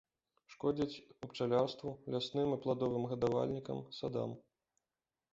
Шкодзяць пчалярству, лясным і пладовым гадавальнікам, садам.